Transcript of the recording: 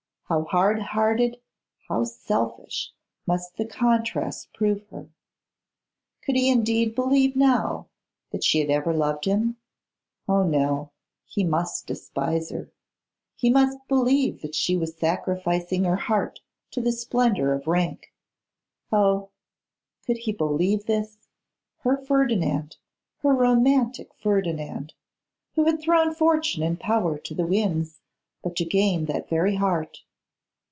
How hard hearted, how selfish must the contrast prove her! Could he indeed believe now that she had ever loved him? Oh, no! he must despise her. He must believe that she was sacrificing her heart to the splendour of rank. Oh! could he believe this! Her Ferdinand, her romantic Ferdinand, who had thrown fortune and power to the winds but to gain that very heart!